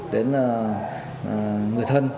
đến người thân